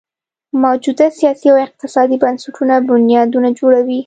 موجوده سیاسي او اقتصادي بنسټونه بنیادونه جوړوي.